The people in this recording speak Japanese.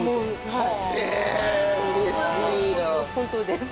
はい。